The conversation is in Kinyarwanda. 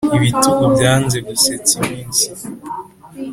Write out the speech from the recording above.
ibitugu byanze gusetsa iminsi,